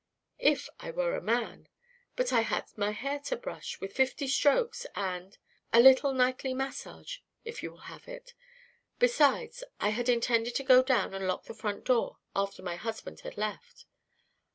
"If I were a man. But I had my hair to brush with fifty strokes; and a little nightly massage, if you will have it. Besides, I had intended to go down and lock the front door after my husband had left."